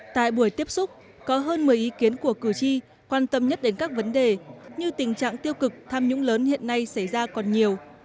tại buổi tiếp xúc có hơn một mươi ý kiến của cử tri quan tâm nhất đến các vấn đề như tình trạng tiêu cực tham nhũng lớn hiện nay xảy ra còn nhiều